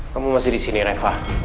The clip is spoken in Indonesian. kamu masih disini reva